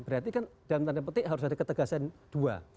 berarti kan dalam tanda petik harus ada ketegasan dua